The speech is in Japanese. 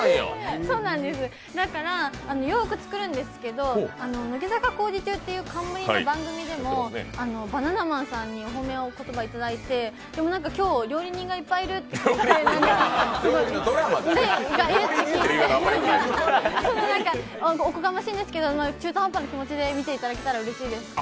だから、よーく作るんですけど、「乃木坂工事中」という冠番組でもバナナマンさんにお褒めの言葉をいただいてでも今日、料理人がいっぱいいるって聞いて、そんな中、おこがましいんですけれども、中途半端な気持ちで見ていただけたらうれしいです。